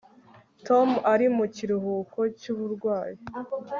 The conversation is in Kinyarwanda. tom ari mu kiruhuko cy'uburwayi